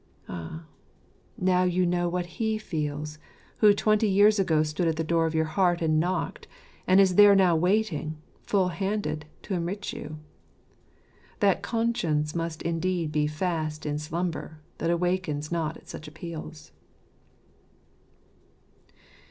Ah, now you know what He feels who twenty years ago stood at the door of your heart and knocked, and is there now waiting, full handed, to enrich you. That conscience must indeed be fast in slumber that awakens not at such appeals.